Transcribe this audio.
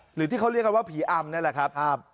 หรือที่เขาเรียกกันว่าผีอำนั่นแหละครับ